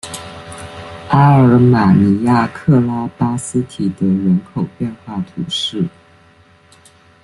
阿尔马尼亚克拉巴斯提德人口变化图示